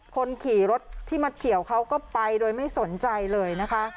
คนขี่รถที่มาเฉียวเขาก็ไปโดยไม่สนใจเลยนะคะ